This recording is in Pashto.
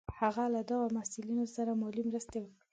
هغه له دغو محصلینو سره مالي مرستې وکړې.